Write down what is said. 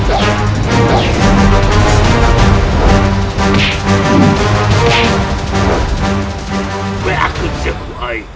aku tidak akan mendapat balasan lebih dari ini